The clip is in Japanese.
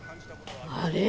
あれ？